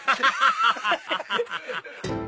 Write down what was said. ハハハハハ！